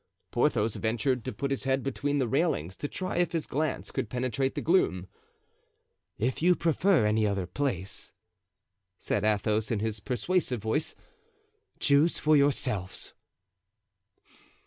Porthos ventured to put his head between the railings, to try if his glance could penetrate the gloom. "If you prefer any other place," said Athos, in his persuasive voice, "choose for yourselves."